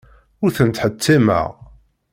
Ur ten-ttḥettimeɣ.